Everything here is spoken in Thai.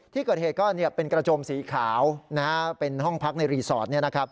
ที่เกิดเหตุก็เป็นกระโจมสีขาวเป็นห้องพักในรีสอร์ท